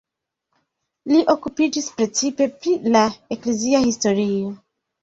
Li okupiĝis precipe pri la eklezia historio.